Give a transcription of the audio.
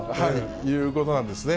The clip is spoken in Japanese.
いうことなんですね。